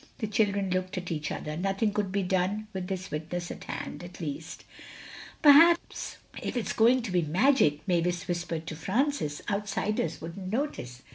The children looked at each other. Nothing could be done with this witness at hand. At least.... "Perhaps if it's going to be magic," Mavis whispered to Francis, "outsiders wouldn't notice.